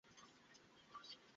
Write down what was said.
কিছু লাগলে মিমি আছে তো।